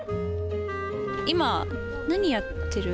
今何やってる？